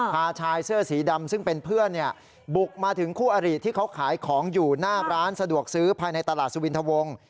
พาชายเสื้อสีดำซึ่งเป็นเพื่อนบุกมาถึงคู่อริที่เขาขายของอยู่หน้าร้านสะดวกซื้อภายในตลาดสุวินทวง